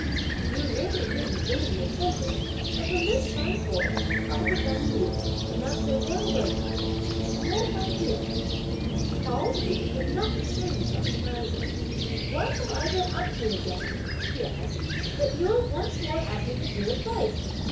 "You really needn't lose your temper! but from this time forth, I'll become mute, and not say one word to you; and what if I do?" Pao yü could not restrain himself from rising. "What have I been up to again," he asked, "that you're once more at me with your advice?